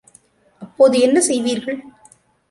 அப்போது என்ன செய்வீர்கள்?